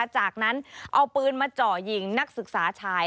จากนั้นเอาปืนมาเจาะยิงนักศึกษาชาย